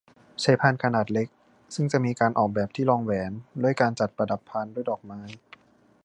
ใช้พานขนาดเล็กซึ่งจะมีการออกแบบที่รองแหวนด้วยการจัดประดับพานด้วยดอกไม้